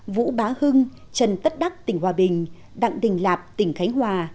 vũ bá hưng trần tất đắc tỉnh hòa bình đặng đình lạp tỉnh khánh hòa